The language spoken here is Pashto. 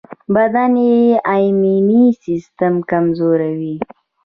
بدن یې ایمني سيستم کمزوری وي.